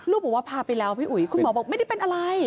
บอกว่าพาไปแล้วพี่อุ๋ยคุณหมอบอกไม่ได้เป็นอะไร